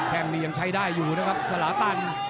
แค่งนี้ยังใช้ได้อยู่นะครับสลาตัน